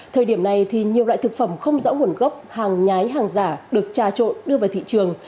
thời điểm này thì nhiều loại thực phẩm không rõ nguồn gốc hàng nhái hàng giả được trà trộn đưa vào thị trường